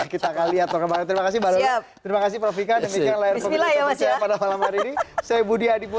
kita akan lihat terima kasih mbak lulu